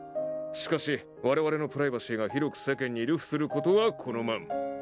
しかしわれわれのプライバシーが広く世間に流布することは好まん！